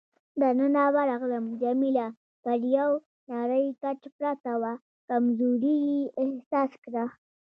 دننه ورغلم، جميله پر یو نرۍ کټ پرته وه، کمزوري یې احساس کړه.